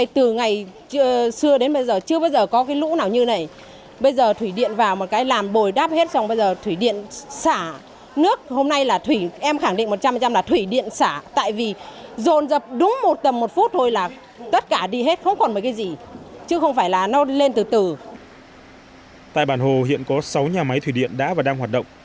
tại bản hồ hiện có sáu nhà máy thủy điện đã và đang hoạt động